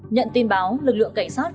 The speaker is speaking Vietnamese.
nhận tin báo lực lượng cảnh sát phát chữa cháy